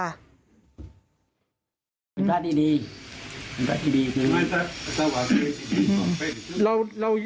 พระอาจารย์ดีที่นี่